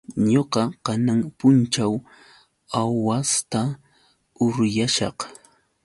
Ñuqa kanan punćhaw aawasta uryashaq.